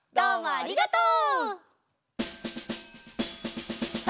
ありがとう！